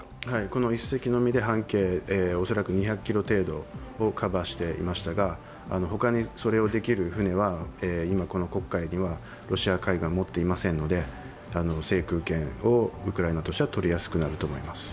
この１隻のみで半径２００ｋｍをカバーしていましたが、他に、それをできる船は今、この黒海にはロシア海軍は持っていませんので制空権をウクライナとしてはとりやすくなると思います。